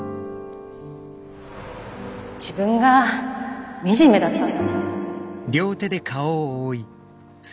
自分が惨めだったの。